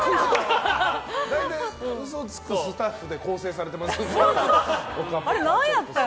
大体、嘘をつくスタッフで構成されてますから。